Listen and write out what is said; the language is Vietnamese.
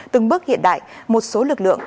từng bước hiện đại một số lực lượng